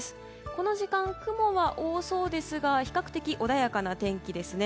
この時間、雲は多そうですが比較的、穏やかな天気ですね。